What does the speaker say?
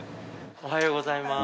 おはようございます。